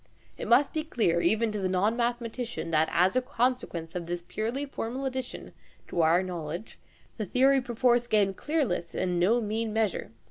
It must be clear even to the non mathematician that, as a consequence of this purely formal addition to our knowledge, the theory perforce gained clearness in no mean measure.